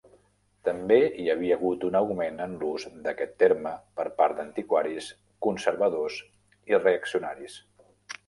També hi havia hagut un augment en l'ús d'aquest terme per part d'antiquaris, conservadors i reaccionaris.